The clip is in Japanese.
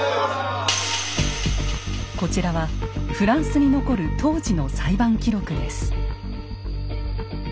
こちらはフランスに残る当時の裁判記録です。